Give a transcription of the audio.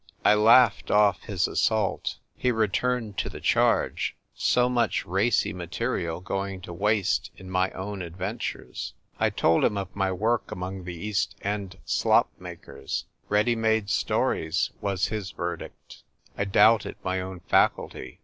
I laughed off his assault. He re turned to the charge ; so much racy material going to waste in my own adventures. I told him of my work among the East End slop makers !" Ready made stories," was his verdict. I doubted my own faculty.